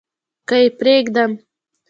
که يې پرېږدم .